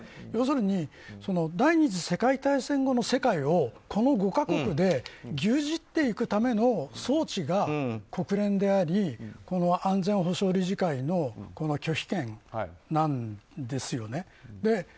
要するに第２次世界大戦後の世界をこの５か国で牛耳っていくための装置が国連であり、安全保障理事会の拒否権なんですよね。